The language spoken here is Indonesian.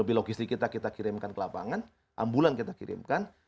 mobil logistik kita kita kirimkan ke lapangan ambulan kita kirimkan